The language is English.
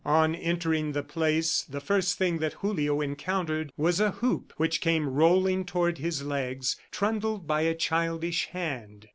On entering the place, the first thing that Julio encountered was a hoop which came rolling toward his legs, trundled by a childish hand.